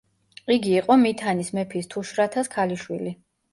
იგი იყო მითანის მეფის თუშრათას ქალიშვილი.